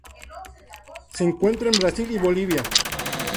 Se encuentra en Brasil y Bolivia.